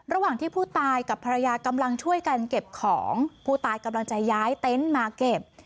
ระหว่างที่ผู้ตายกับภรรยากำลังช่วยกันเก็บของผู้ตายกำลังจะย้ายเต็นต์มาเก็บ